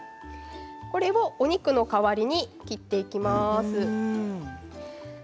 これをお肉の代わりに切っていきます。